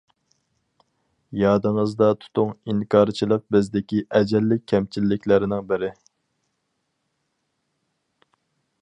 يادىڭىزدا تۇتۇڭ ئىنكارچىلىق بىزدىكى ئەجەللىك كەمچىلىكلەرنىڭ بىرى.